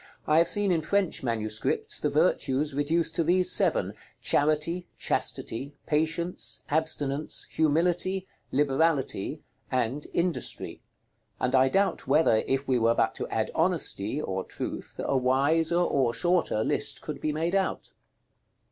I have seen in French manuscripts the virtues reduced to these seven, Charity, Chastity, Patience, Abstinence, Humility, Liberality, and Industry: and I doubt whether, if we were but to add Honesty (or Truth), a wiser or shorter list could be made out.